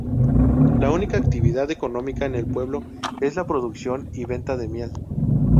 La única actividad económica en el pueblo es la producción y venta de miel.